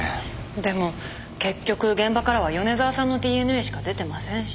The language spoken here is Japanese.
でも結局現場からは米沢さんのＤＮＡしか出てませんし。